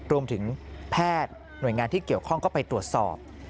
รวมถึงแพทย์หน่วยงานที่เกี่ยวข้องก็ไปตรวจสอบ